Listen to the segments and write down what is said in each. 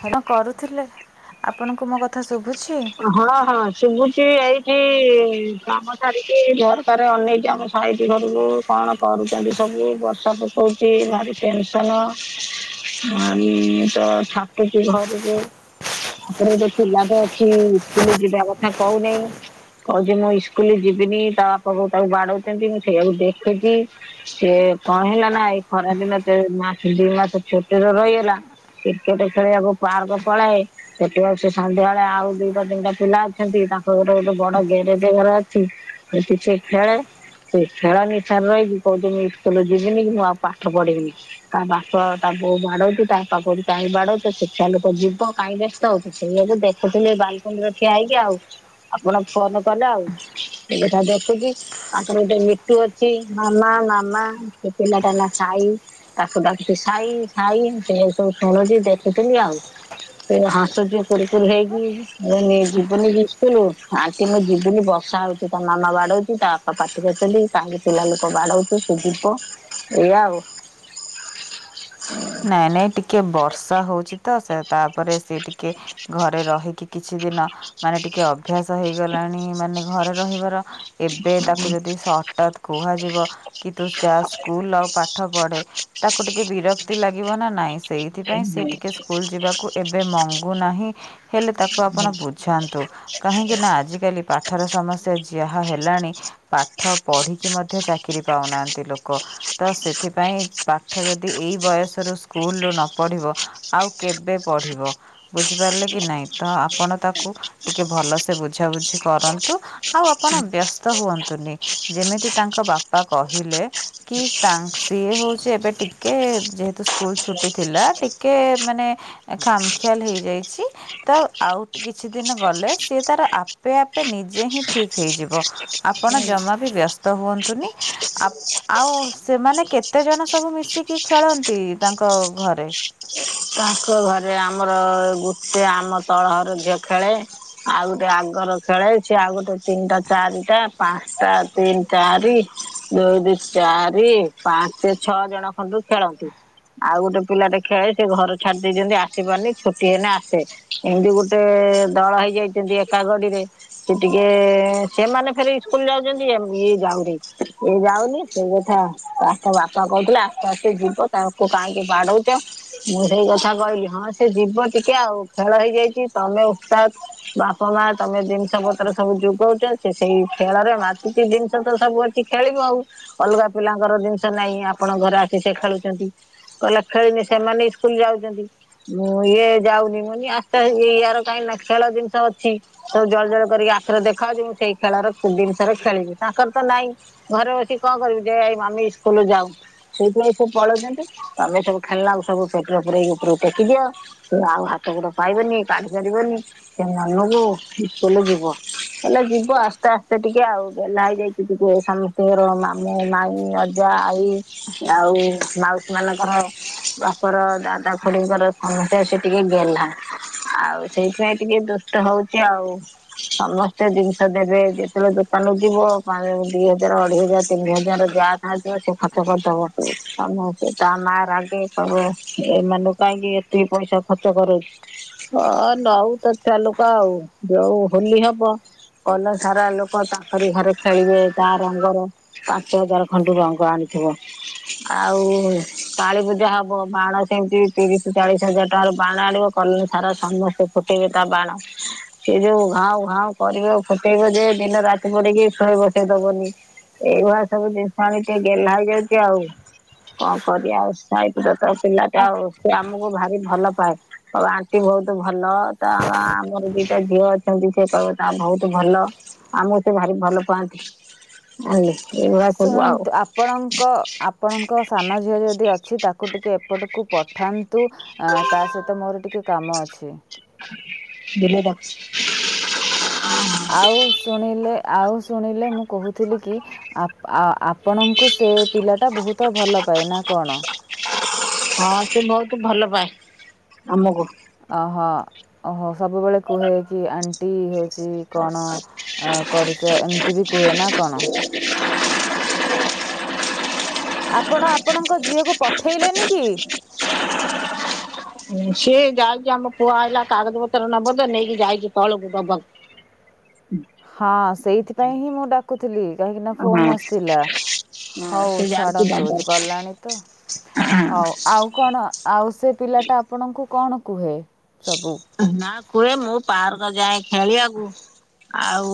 କଣ କରୁଥିଲେ ଆପଣଙ୍କୁ ମୋ କଥା ସୁ ହଁ ହଁ ଶୁବୁଚି ଏଇଠି କାମ ସାରିକି ଏଇ ଝରକାରେ ଅନେଇଚି ଆମ ସାଇଟ୍ ଘରରୁ କଣ କରୁଚନ୍ତି ସବୁ ବସ ତମ କୁ କହୁଚି ଭାରି ଟେନସନ୍ ପାଣି ତ ଛାଟୁଚି ଘରକୁ ତାପରେ ଗୋଟେ ପିଲା ଟେ କି ଇସ୍କୁଲ ଯିବା କଥା କହୁନେଇଁ। କହୁଚି ମୁଁ ଇସ୍କୁଲ ଯିବିନି ତା ବାପା ବୋଉ ତାକୁ ବାଡଉଚନ୍ତି ମୁଁ ସେଇଆକୁ ଦେଖୁଚି ସେ କଣ ହେଲା ନା ଏଇ ଖରାଦିନ ତ ମାସ ଦି ମାସ ଛୁଟି ରେ ରହିଗଲା। କ୍ରିକେଟ ଖେଳିବାକୁ ପାର୍କ ପଳାଏ ସେଠୁ ଆଉ ସେ ସନ୍ଧ୍ୟା ଆଉ ଦିଟା ତିନିଟା ପିଲା ଅଛନ୍ତି ତାଙ୍କ ଗୋଟେ ଗୋଟେ ବଡ ଗ୍ୟାରେଜ ଘର ଅଛି ସେଠି ସେ ଖେଳେ ସେ ଖେଳ ନିଶାରେ ରହିକି କହୁଚି ମୁଁ ସ୍କୁଲ ଯିବିନି କି ମୁଁ ଆଉ ପାଠ ପଢିବିନି ତା ବାପ ତା ବୋଉ ବାଡଉଚି ତା ବାପା କହୁଚି କାହିଁକି ବାଡ଼ଉଚ ସେ ଛୁଆ ଲୋକ ଯିବ କାହିଁ ବ୍ୟସ୍ତ ହଉଚୁ ସେଇଆ କୁ ଦେ ସେଥିଲାଗି ବାଲକୁନି ଠିଆ ହେଇକି ଆଉ। ଆପଣ ଫୋନ କଲେ ଆଉ ମୁଁ ଏଟା ଦେଖୁଚି ତାଙ୍କର ଗୋଟେ ମିଟୁ ଅଛି ମାମା ମାମା ସେ ପିଲାଟା ନା ସାଇ ତାକୁଡାକୁଚି ସାଇ ସାଇ ସେଇଆ କୁ ସବୁ ଶୁଣୁଚି। ଦେଖୁଥିଲି ଆଉ ଫେରେ ହସୁଚି ଫୁଣି ସ୍କୁଲ ହେଇକି ମୁଁ କହିନି ଯିବୁନିକି ସ୍କୁଲ ଆଣ୍ଟି ମୁଁ ଯିବୁନି ବର୍ଷା ହଉଚଚି ତା ମାମା ବାଡଉଚି ତା ଵାପା ପାଟି କରୁଚନ୍ତି କାଇଁ ପିଲା ଲୋକ ବାଡଉଚୁ ସେ ଯିବ ଏଇଆ ଆଉ। [inaudible] ନାଇଁ ନାଇଁ ଟିକେ ବର୍ଷା ହଉଚି ତ ସେ ତାପରେ ସି ଟିକେ ଘରେ ରହିକି କି କିଛି ଦିନ ମାନେ ଟିକେ ଅଭ୍ୟାସ ହେଇଗଲାଣି ମାନେ ଘରେ ରହିବାର। ଏବେ ତାକୁ ଯଦି ହଠାତ୍ କୁହାଯିବ କି ତୁ ଯାହା ସ୍କୁଲ ଆଉ ପାଠ ପଢେ ତାକୁ ଟିକେ ବିରକ୍ତି ଲାଗିବ ନା ନାଇଁ। ସେଇଥିପାଇ ସେ ଟିକେ ସ୍କୁଲ ଯିବାକୁ ଏବେ ମଙ୍ଗୁ ନାହିଁ ହେଲେ ତାକୁ ଆପଣ ବୁଝାନ୍ତୁ? କାହିଁକି ନା ଆଜିକାଲି ପାଠର ସମସ୍ୟା ଯାହା ହେଲାଣି ପାଠ ପଢ଼ିକି ମଧ୍ୟ ଚାକିରୀ ପାଉନାହାନ୍ତି ଲୋକ ତ ସେ ଏଥିପାଇଁ ପାଠ ଯଦି ଏଇ ବୟସରୁ ସ୍କୁଲ୍ରୁ ନ ପଢ଼ିବ ଆଉ କେବେ ପଢ଼ିବ? ବୁଝିପାରିଲେ କି ନାଇଁ ତ ଆପଣ ତାକୁ ଟିକେ ଭଲସେ ବୁଝାବୁଝି କରନ୍ତୁ ଆଉ ଆପଣ ବ୍ୟସ୍ତ ହୁଅନ୍ତୁନି। ଯେମିତି ତାଙ୍କ ବାପା କହିଲେ କି ତା ସିଏ ହେଉଛି ଏବେ ଟିକେ ଯେହେତୁ ସ୍କୁଲ ଛୁଟି ଥିଲା ଟିକେ ମାନେ ଖାମଖିଆଲ ହେଇଯାଇଛି ତ ଆ ଆଉ କିଛି ଦିନି ଗଲେ ସିଏ ତାର ଆପେ ଆପେ ନିଜେ ହିଁ ଠିକ ହେଇଯିବ। ଆପଣ ଜମା ବି ବ୍ୟସ୍ତ ତ ହୁଅନ୍ତୁନି ଆ ଆଉ ସେମାନେ କେତେ ଜଣ ସବୁ ମିଶିକି ଖେଳ ନ୍ତି ତାଙ୍କ ଘରେ? ତାଙ୍କ ଘରେ ଆମର ଗୋଟେ ଆମ ତଳର ଝିଅ ଖେଳେ। ଆଉ ଗୋଟେ ଆଗର ଖେଳ ହେଛି ଆଉ ଗୋଟେ ତିନିଟା ଚାରିଟା ପାଞ୍ଚଟା ତିନି ଚାରି ଦୁଇ ଦୁଇ ଚାରି ପାଞ୍ଚେ ଛଅ ଜଣ ଖଣ୍ଡୁରୁ ଖେଳନ୍ତି। ଆଉ ଗୋଟେ ପିଲାଟେ ଖେଳେ ସେ ଘର ଛାଡି ଦେଇଛନ୍ତି ଆସି ପାରୁନି ଛୁଟି ହେଲେ ଆସେ ଏମିତି ଗୋଟେ ଦଳ ହେଇଯାଇଛନ୍ତି ଏକା ରେ ସେ ଟିକେ ସେମାନେ ଫେରେ ସ୍କୁଲ ଯାଉଛନ୍ତି ଇଏ ଯାଉନି ଇଏ ଜାଉ ଯାଉନି ସେଇ କଥା [unintelligible] ବାପା କହୁଥିଲେ ଆପେ ଆପେ ଯିବ ତାକୁ କାହିଁକି ବାଡଉଛ। ମୁଁ ସେଇ କଥା କହିଲି ହଁ ସେ ଯିବ ଟିକେ ଆଉ ଖେଳ ହେଇଯାଇଛି ତମେ [unintelligible] ବାପା ମା ହଁ ତମେ ଜିନିଷ ପତ୍ର ସବୁ ଯୋଗାଉଛ ସେ ସେଇ ଖେଳରେ ମାତିଛି ଜିନିଷ ତ ସବୁ ଅଛି ଖେଳିବ ଆଉ ଅଲଗା ପିଲାଙ୍କର ଜିନିଷ ନାଇଁ ଆପଣ ଘରେ ଆସି ସେ ଖେଳୁଛନ୍ତି କହିଲେ ଖେଳିନେ ସେମାନେ ଇସ୍କୁ ସ୍କୁଲ ଯାଉଛନ୍ତି ମୁଁ ଇଏ ଯାଉନି ମୁନି ଆସ୍ତେ ୟାର କାହିଁକି ନା ଖେଳ ଜିନିଷ ଅଛି। ସବୁ ଜଳ ଜଳ କରିକି ଆଖରେ ଦେଖାାଯାଉଉଛି ମୁଁ ସେଇ ଖେଳର ଜିନିଷରେ ଖେଳିବି ତାଙ୍କର ତ ନାଇଁ ଘରେ ବସି କଣ କରିମି ଯେ ଏଇ ମାମି ଇସ୍କୁଲ ଯାଉ ସେଇଥିପାଇଁ ସେ ପଳଉଛନ୍ତି ତମେ ସବୁ ଖେଳନାକୁ ସବୁ ପେଟିରେ ପୁରାଇକି ଉପରକୁ ଟେକି ଦିଅ ଆଉ ହାତ ଗୋଡ ପାଇବନି କାଢି ପାରିବନି ସେ ମନକୁ ଇସ୍କୁଲ୍ ଯିବ। କହିଲେ ଯିବ ଆସ୍ତେ ଆସ୍ତେ ଟିକେ ଆଉ ଗେଲା ହେଇଯାଇଛି ଟିକେ ସମସ୍ତଙ୍କର ମାମୁଁ ମାଇଁ ଅଜା ଆଇ ଆଉ ମାଉସୀ ମାନଙ୍କର ଙ୍କର ଦାଦା ଖୁଡିଙ୍କର ସମସ୍ତଙ୍କର ସେ ଟିକେ ଗେଲା ଆଉ ସେଇଥିପାଇଁ ଟିକେ ଦୁଷ୍ଟ ହଉ ଉଛି ଆଉ ସମସ୍ତେ ଜିନିଷ ଦେବେ ଯେତେବେଳେ ଦୋକାନକୁ ଯିବ ପା ଦି ହଜାର ଅଢେଇ ହଜ ଦି ହଜାର ତିନି ହଜାର ଯାହା ସାହା ଥିବା ସେ ଖର୍ଚ କରିଦବ ତା ମା ରାଗେ କହିବ ଏମାନଙ୍କୁ କାହିଁକି ଏତେ ପଇସା ଖର୍ଚ୍ଚ କରୋଉଛୁ। ହଁ ନଉ ତ ଚାଲୁକା ଆଉ ଯୋଉ ହୋଲି ହବ କଲ ସାରା ଲୋକ ତାଙ୍କରି ଘରେ ଖେଳିବେ ତା ରଙ୍ଗର ପାଞ୍ଚ ହଜାର ଖନ୍ଡେ ରଙ୍ଗ ଆଣଚ୍ ହବ୍ ଆଉ କାଳୀ ପୂଜା ହବ ବାଣ ସେମିତି ତିରିଶ ଚାଳିଶ ହଜାର ଟଙ୍କାର ବାଣ ଆଣିବ କଲୋନି ସାରା ସମସ୍ତେ ଫୁଟେଇବେ ତା ବାଣ ସେ ଯୋଉ ଘାଉଁ ଘାଉଁ କରିବେ ଫୁଟେଇବ ଯେ ଦିନ ରାତି ପଡିକି ଶୋଇ ବସେଇ ଦବନି। ଏଇଭଳିଆ ସବୁ ଜିନିଷ ଆଣି ଟିକେ ଗେହ୍ଲା ହେଇଯାଉଛି ଆଉ କଣ କରିବା ଆଉ ସଇତ ରକ୍। ତ ପିଲାଟା ଆଉ ସେ ଆମକୁ ଭାର ସେ ଭଲ ପାଏ ଆଉ ଆଣ୍ଟି ବହୁତ ଭଲ ତ ଆମର ଦିଟା ଝିଅ ଅଛନ୍ତି ସେ କହିବ ବୋହୁତ ଭଲ ଆମକୁ ସେ ଭାରି ଭଲ ପାଆନ୍ତି ଲୁ ଶୁଣନ୍ତୁ ଆପଣଙ୍କ ଆପଣଙ୍କ ସାନ ଝିଅ ଯଦି ଅଛି ତାକୁ ଟିକେ ଏପଟକୁ ପଠାନ୍ତୁ ତା ସହିତ ମୋର ଟିକେ କାମ ଅଛି। ବିଲେଇ ଡାକୁଚି ଆଉ ଶୁଣିଲେ ଆଉ ଶୁଣିଲେ ମୁଁ କହୁଥିଲି କି ଆପ ଆପଣଙ୍କୁ ସେ ସେ ପିଲାଟା ବୋହୁତ ଭଲ ପାଏ ନା କଣ ହଁ ସେ ବୋହୁତ ଭଲ ପାଏ ଆମକୁ। ଅହୋ ଓହୋ ସବୁବେଳେ କୁହେ କି ଆଣ୍ଟି ହଉଛି କଣ କରୁଛ ଏମିତି ବି କୁହେ ନା କଣ ଆପଣ ଆପଣଙ୍କ ଝିଅକୁ ପଠେଇଲେନି କି ସିଏ ଯାଇଛି ଆମ ପୁଅ ଆଇଲା କାଗଜ ପତ୍ର ନବ ତ ନେଇକି ଯାଇଛି ତଳକୁ ଦବାକୁ। [inaudible] ହଁ ସେଇଥିପାଇଁ ହିଁ ମୁଁ ଡାକୁ ଥିଲି କାହିଁକି ନା ହଁ ଫୋନ ଆସିଥିଲା ହଁ ହଉ ସେ ଯାଉଛି ଛାଡନ୍ତୁ ଦବାକୁ ଗଲାଣି ତ ହଉ ଆଉ କଣ ଆଉ ସେ ପିଲାଟା ଆପଣଙ୍କୁ କଣ କୁହେ ସବୁ ନା କୁହେ ମୁଁ ପାର୍କ ଯାଏ ଖେଳିବାକୁ। ଆଉ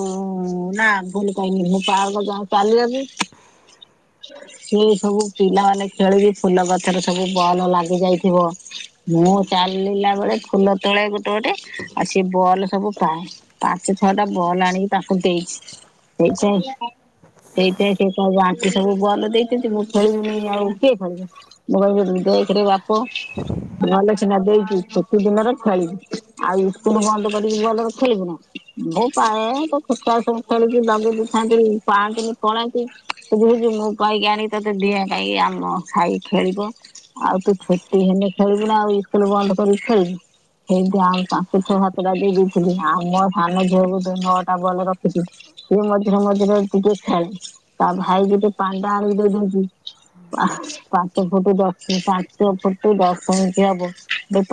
ନା ଭୁଲ କହିଲି ମୁଁ ପାର୍କ ଯାଏ ଚାଲିବାକୁ। ସେ ସବୁ ପିଲାମାନେ ଖେଳିକି ଫୁଲ ଗଛରେ ସବୁ ବଲ ଲାଗି ଯାଇଥିବ। ମୁଁ ଚାଲିଲା ବେଳେ ଫୁଲ ତୋଳେ ଗୋଟେ ଗୋଟେ ଆଉ ସିଏ ବଲ୍ ସବୁ ପାଏ ପାଞ୍ଚ ଛଅଟା ବଲ୍ ଆଣିକି ତାଙ୍କୁ ଦେଇଛି। ଦେଇଛି ସେଇଥି ପାଈଁ ସେଏ କହ ଆଣ୍ଟି ସବୁ ଭଲ ଦେଇଛନ୍ତି ମୁଁ କରିବିନି ଆଉ କିଏ କରିବ ମୁଁ କହ ଦେଇଥିରେ ବାପ ଭଲ ସିନା ଦେଇଛି ଛୁଟି ଦିନରେ ଖେଳିବୁ ଆଉ ସ୍କୁଲ ବନ୍ଦ କରିକି ଭଲ ଖେଳିବୁ ନା ଭୋ ପାଏ ତ ଖୁ ସବୁ ଖେଳ ଲଗେଇ ଦେଇଥାନ୍ତି ପାଆନ୍ତିନି ପଳାନ୍ତି, ହେଛି ମୁଁ ପାଇକି ଆଣିକି ତତେ ଦିଏ କାଇକି ଆମ କଣ ଖାଇ ଖେଳିବ ଆଉ ତୁ ଛୁଟି ହେଲେ ଖେଳିବୁ ନା ଆଉ ଇସକୁଲ ବନ୍ଦ କରିକି ଖେଳିବୁ? ସେଇଠି ଆଉ ପାଞ୍ଚ ଛଅ ସାତଟା ଦେଇ ଦେଇଥିଲି ଆଉ ମୋ ସାନ ଝିଅକୁ ନଅଟା ବଲ ରଖିଥିଲି। ଟିକେ ମଝିରେ ମଝିରେ ଟିକେ ଖେଳେ ତା ଭାଇ ଯିକେ ପାଣ୍ଡାଆଣି ଦେଇଦନ୍ତି ପାଞ୍ଚ ଫୁଟୁ ଦଶ ପାଞ୍ଚ ଫୁଟୁ ଦଶ ଇଞ୍ଚିଆ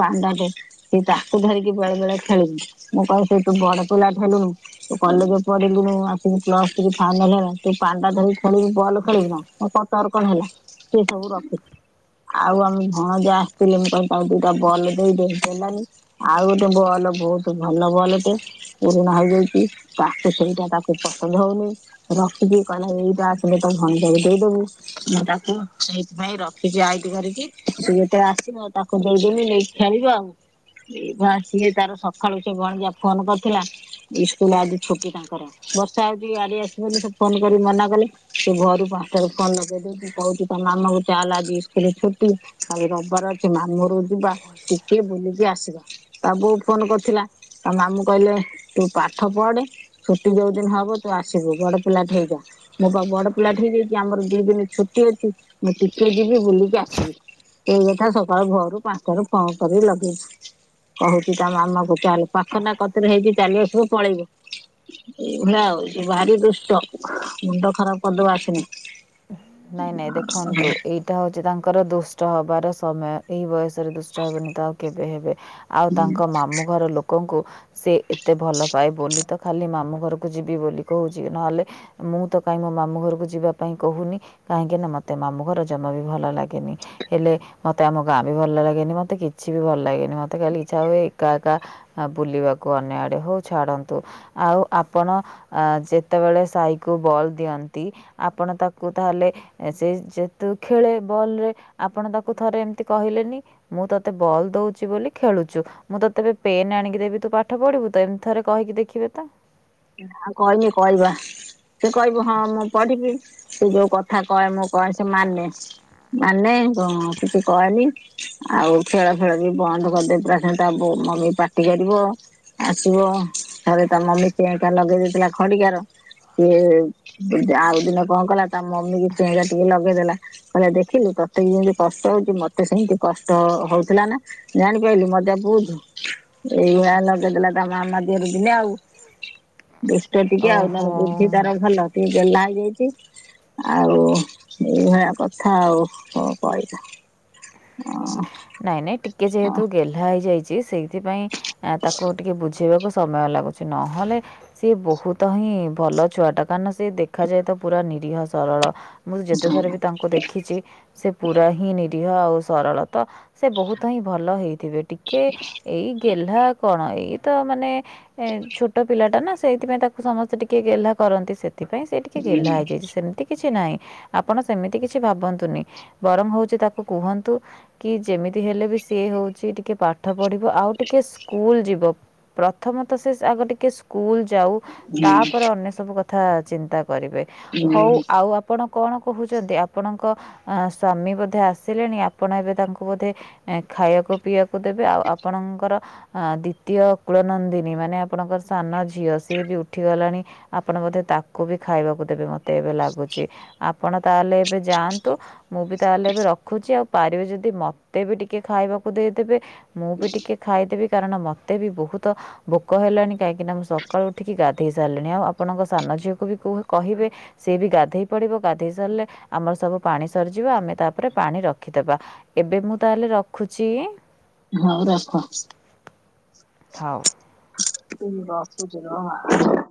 ପାଣ୍ଡଟେ ସି ତାକୁ ଧରିକି ବେଳେ ବେଳେ ଖେଳିଲୁ ମୁଁ କହିଲ ସେ ତୁ ବଡ ପିଲା ହେଲୁନୁ ତୁ କଲେଜ ପଢିଲୁ ଆସିକି ପ୍ଲସଥ୍ରୀ ଫାଇନାଳିୟର ତୁ ପଣ୍ଡା ଧରିକି ଖେଳିବୁ ବଲ ଖେଳିବୁ ନା କହିବ ତର କଣ ହେଲା। ସେ ସବୁ ରଖିଛି ଆଉ ଆମ ଭଣଜା ଆସିଥିଲେ ମୁଁ କହିଲି ତାକୁ ଦିଟା ବଲ ଦେଇଦେ ଦେଲାଣି ଆଉ ଗୋଟେ ବଲ ବହୁତ ଭଲ ବଲଟେ ପୁରୁଣା ହେଇଯାଇଛି ତାକୁ ସେଇଟା ତାକୁ ପସନ୍ଦ ହଉନି ରଖିକି କହିଲା ଏଇଟା ଆସିଲେ ତ ଭାନଯାକୁ ଦେଇଦବୁ, ମୁଁ ତାକୁ ହଁ ସେଇଥିପାଇଁ ରଖିଛି ଆଇତି କରିକି ସେ ଯେତେବେଳେ ଆସିବ ତାକୁ ଦେଇଦେମି ନେଇକି ଖଳିବ ଆଉ। ବା ସିଏ ତାର ସକାଳୁ ସେ ଭଣଜା ଫୋନ କରିଥିଲା। ଇ ସ୍କୁଲ ଆଜି ଛୁଟି ତାଙ୍କର ବର୍ଷା ହଉଛି ଗାଡି ଆସିବନି ବୋଲି ସେ ଫୋନ କରି ମନା କଲେ, ସେ ଘରୁ ତାକୁ ଫୋନ ଲଗେଇଦଉୁଚ କହୁଛି ତ ମାମା କୁ ଚାଲେ ଆଜି ସ୍କୁଲ ଛୁଟି ଆଜି ରବିବାର ଅଛି ମାମୁଁ ଘରକୁ ବା ଟିକେ ବୁଲିକି ଆସିବା। ତା ବୋଉ ଫୋନ କରୁଥିଲା ତା ମାମୁଁ କହିଲେ ତୁ ପାଠ ପଢେ ଛୁଟି ଯୋଉ ଦିନ ହବ ତୁ ଆସିବୁ, ବଡ ପିଲାଟି ହେଇଯା, ମୁଁ ପା ବଡ ପିଲାଟେ ହେଇଯାଇଛି ଆମର ପା ଦି ଦିନ ଛୁଟି ଛୁଟି ଅଛି ମୁଁ ଟିକେ ଯିବି ବୁଲିକି ଆସିବି। ଏଇ କଥା ସକାଳୁ ଭୋରୁ ପାଞ୍ଚଟାରୁୁ ଫୋନ୍ କରିକି ଲଗେଇଚି। କହୁଛି ତା ମାମାକୁ ଚାଲ ପାଖ ନା କତିରେ ହେଇକି ଚାଲିିଆସି ମୁଁ ପଳେଇବି ଏ ଭଳିଆ ଆଉ ଭାରି ଦୁଷ୍ଟ ମୁଣ୍ଡ ଖରାପ କରିଦବ ଆସିନେ। ନାଇଁ ନାଇଁ ଦେଖନ୍ତୁ ଏଇଟା ହଉଛି ତାଙ୍କର ଦୁଷ୍ଟ ହବାର ସମୟ, ଏଇ ବୟସ ରେ ଦୁଷ୍ଟ ହେବେନି ତ ଆଉ କେବେ ହେବେ? ଆଉ ତାଙ୍କ ମାମୁଁ ଘର ଲୋକଙ୍କୁ ସେ ଏତେ ଭଲ ପାଏ ବୋଲି ତ ଖାଲି ମାମୁଁ ଘରକୁ ଯିବି ବୋଲି କହୁଛି ନହେଲେ ମୁଁ ତ କାହିଁ ମୋ ମାମୁଁ ଘରକୁ ଯିବା କାଇଁ କହୁନି କାହିଁକି ନା ମତେ ମାମୁ ଘର ଜମା ବି ଭଲ ଲାଗେନି ହେଲେ ମତେ ଆମ ଗାଁ ବି ଭଲ ଲ ଲାଗେନି ମତେ କିଛି ବି ଭଲ ଲାଗେନି ମତେ ଖାଲି ଇଛା ହୁଏ ଏକା ଏକା ବୁଲିବାକୁ ଅନ୍ୟ ଆଡେ ହଉ ଛା ଆଡନ୍ତୁ ଆଉ ଆପଣ ଯେତେବେଳେ ସାଇକୁ ବଲ ଦିଅନ୍ତି ଆପଣ ତାକୁ ତାହେଲେ ସେ ଯେହେତୁ ଖେଳେ ବଲରେ ଆପଣ ତାକୁ ଥରେ ଏମିତି କହିଲେ ମୁଁ ତତେ ବଲ ଦଉଛି ବୋଲି ଖେଳୁଚୁ ମୁଁ ତତେ ଏବେ ପେନ୍ ଆଣିକି ଦେବି ତୁ ପାଠ ପଢିବୁତ, ଏମତି ଥରେ କହିକି ଦେଖିବେ ତ। କହିହନି କହିବା ସେ କହିବୁ ହଁ ମୁଁ ପଢିବି ସେ ଯୋଉ କଥା କଥା କହେ ମୁଁ କହେ ସେ ମାନେ। ମାନେ କିଛି କହେନି ଆଉ ଖେଳ ଫେଳ ବି ବନ୍ଦ କରିଦେଇଥିଲା ପୁରା ସେନ୍ତିଆ ମମି ପାଟି କରିବ ଆସିବ ଥରେ ତା ମମି ଚେଙ୍କା ଲଗେଇ ଦେଇଥିଲା ଖଡିିକାର ସିଏ ଆଉ ଦିନ କଣ କଲା ତା ମମି କି ଚେହେଁରା ଟିକେ ଲଗେଇଦେଲା କହିଲା ଦେଖିଲୁତ୍ ତତେ ଯେମତି କଷ୍ଟ ହଉଛି ମତେ ସେମିତି କଷ୍ଟ ହଉଥିଲା ନା ଜାଣିପାରିଲୁ ମଜା ବୁଝୁ। ଏଇ ଭଳିଆ ଲଗେଇଦେଲା ତା ମାମା ଦେହରେ ଦିନେ ଆଉ। ଦୁଷ୍ଟ ଟିକେ ଆଉ ନହେଲେ ବୁଦ୍ଧି ଓହୋ ତାର ଭଲ, ଟିକେ ଗେଲ୍ହା ଛି ଆଉ ଏଇଭଳିଆ କଥା ଆଉ କ କହିବ। ଆଁ ନାଇଁ ନାଇଁ ଟିକେ ଯେହେତୁ ଗେହ୍ଲା ହେଇଯାଇଛି, ସେଇଥିପାଇଁ ତାକୁ ଟିକେ ବୁଝେଇବାକୁ ସମୟ ଲାଗୁଛି ନହେଲେ ସିଏ ବହୁତ ହିଁ ଭଲ ଛୁଆଟା କାଇଁ ନା ସିଏ ଦେଖାଯାଏ ତ ପୁରା ନିରିହ ସରଳ। ମୁଁ ଯେତେଥର ବି ତାଙ୍କୁ ଦେଖିଛି ସେ ପୁରା ହିଁ ନିରୀହ ଆଉ ସରଳ ତ ସେ ବହୁତ ହିଁ ଭଲ ହେଇଥିବେ ଟିକେ ଏଇ ଗେହ୍ଲା କଣ ଏଇ ତ ମାନେ ଏ ଛୋଟ ପିଲାଟା ନା ସେଇଥିପାଇଁ ତାକୁ ସମସ୍ତେ ଟିକେ ଗେହ୍ଲା କରନ୍ତି ସେ ସେଥିପାଇଁ ସେ ଟିକେ ହୁଁ ଗେହ୍ଲା ହେଇଯାଇଛି ସେମିତି କିଛି ନାହିଁ। ଆପଣ ସେମିତି କିଛି ଭାବନ୍ତୁନି ବରଂ ହଉଛି ତାକୁ କୁହନ୍ତୁ କି ଯେମିତି ହେଲେ ବି ସିଏ ହଉଛି ଟିକେ ପାଠ ପଢିବ ଆଉ ଟିକେ ସ୍କୁଲ ଯିବ ପ୍ରଥମ ତ ଆଗ ଟିକେ ସ୍କୁଲ ଯାଉ ହୁଁ ତାପରେ ଅନ୍ୟ ସବୁ କଥା ଚିନ୍ତା କରିବେ ହଉ ହୁଁ ଆଉ ଆପଣ କଣ କହୁଛନ୍ତି ଆପଣଙ୍କ ସ୍ଵାମୀ ବୋଧେ ଆସିଲେଣି ଆପଣ ଏବେ ତାଙ୍କୁ ବୋଧେ ଖାଇବାକୁ ପିଇବାକୁ ଦେବେ ଆଉ ଆପଣଙ୍କର ଅ ଦ୍ଵିତୀୟ ଅ କଳ ନନ୍ଦିନୀ ମାନେ ଆପଣଙ୍କର ସାନ ଝିଅ ସିଏ ବି ଉଠିଗଲାଣି ଆପଣଙ୍କ ତାକୁ ବି ଖାଇବାକୁ ଦେବେ ମତେ ଏବେ ଲାଗୁଛି ଆପଣ ତାହେଲେ ଏବେ ଯାଆନ୍ତୁ ମୁଁ ବି ତାହେଲେ ଏବେ ରଖୁଛି ଆଉ ପାରିବେ ଯଦି ମତେ ମୋତେ ବି ଟିକେ ଖାଇବାକୁ ଦେଇଦେବେ ମୁଁ ବି ଟିକେ ଖାଇଦେବି। କାରଣ ମତେ ବି ବହୁତ ଭୋକ ହେଲାଣି କାହିଁକି ନା ମୁଁ ସକାଳୁ ଉଠିକି ଗାଧେଇ ସାରିଲିଣି ଆଉ ଆପଣଙ୍କ ସାନ ଝିଅକୁ ବି କୁ କହିବେ ସେ ବି ଗା ଗାଧେଇ ପଡିବ ଗାଧେଇ ସାରିଲେ ଆମର ସବୁ ପାଣି ସରିଯିବ ଆମେ ତାପରେ ପାଣି ରଖିଦବା। ଏବେ ମୁଁ ତାହେଲେ ରଖୁଛି। ହଉ ରଖ। ଥାଉ। ତ ରସୁଛି ରହ